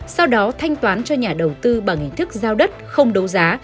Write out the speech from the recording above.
sau đó thanh toán cho nhà đầu tư bằng hình thức giao đất không đấu giá